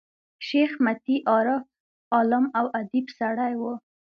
شېخ متي عارف، عالم او اديب سړی وو.